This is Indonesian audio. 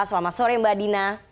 selamat sore mbak dina